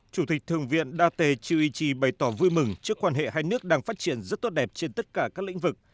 chủ tịch thượng viện date chiuichi bày tỏ vui mừng trước quan hệ hai nước đang phát triển rất tốt đẹp trên tất cả các lĩnh vực